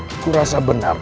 aku rasa benar